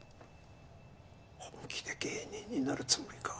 本気で芸人になるつもりか？